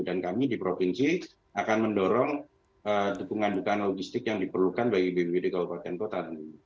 dan kami di provinsi akan mendorong dukungan dukungan logistik yang diperlukan bagi bbb di kabupaten kota